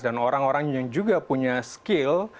dan orang orang yang juga punya skill